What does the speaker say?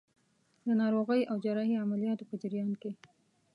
د ناروغۍ او جراحي عملیاتو په جریان کې.